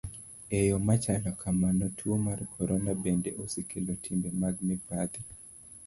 E yo machalo kamano, tuo mar corona bende osekelo timbe mag mibadhi.